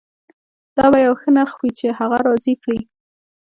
دا به یو ښه نرخ وي چې هغه راضي کړي